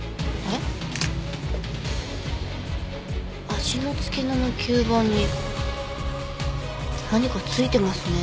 足の付け根の吸盤に何かついてますね。